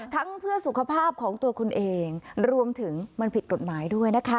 เพื่อสุขภาพของตัวคุณเองรวมถึงมันผิดกฎหมายด้วยนะคะ